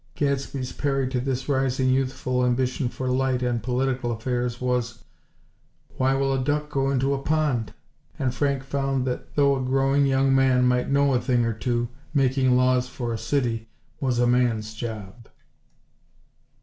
Gadsby's parry to this rising youthful ambition for light on political affairs was: "Why will a duck go into a pond?" and Frank found that though a growing young man might know a thing or two, making laws for a city was a man's job.